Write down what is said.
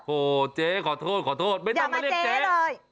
โหเจ๊ขอโทษไม่ต้องมาเรียบเจ๊เลย